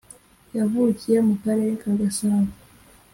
yavukiye mu karere ka gasabo